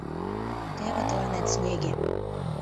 — Теве тыланет снеге!